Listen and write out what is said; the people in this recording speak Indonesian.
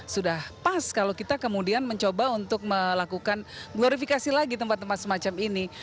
sudah pas kalau kita kemudian mencoba untuk melakukan glorifikasi lagi tempat tempat semacam ini